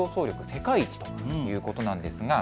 世界一ということです。